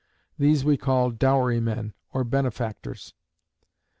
These we call Dowry men or Benefactors.